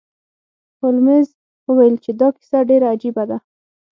هولمز وویل چې دا کیسه ډیره عجیبه ده.